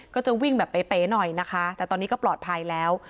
ก็จะวิ่งแบบเป๋หน่อยนะคะแต่ตอนนี้ก็ปลอดภัยแล้ว